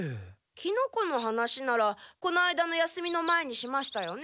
キノコの話ならこの間の休みの前にしましたよね。